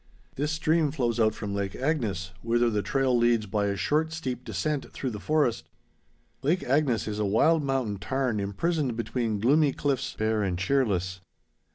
This stream flows out from Lake Agnes, whither the trail leads by a short steep descent through the forest. Lake Agnes is a wild mountain tarn imprisoned between gloomy cliffs, bare and cheerless.